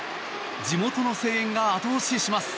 地元の声援が後押しします。